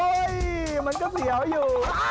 โอ้โฮมันก็เสียวอยู่